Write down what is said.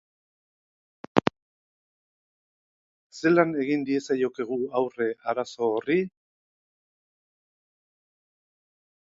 Zelan egin diezaiokegu aurre arazo horri?